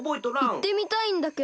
いってみたいんだけど。